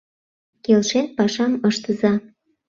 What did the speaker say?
Келшен пашам ыштыза.